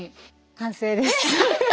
完成です。